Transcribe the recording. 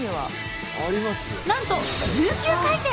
なんと１９回転！